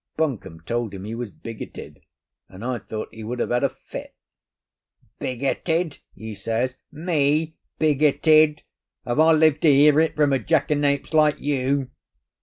Buncombe told him he was bigoted, and I thought he would have had a fit. 'Bigoted!' he says. 'Me bigoted? Have I lived to hear it from a jackanapes like you?